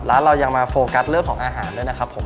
ร้านเรายังมาโฟกัสเริ่มของอาหารแลิกเยอะนะครับ